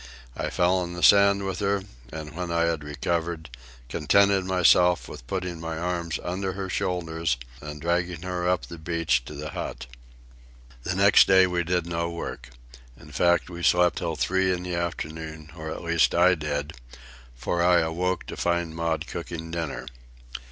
I fell in the sand with her, and, when I had recovered, contented myself with putting my hands under her shoulders and dragging her up the beach to the hut. The next day we did no work. In fact, we slept till three in the afternoon, or at least I did, for I awoke to find Maud cooking dinner.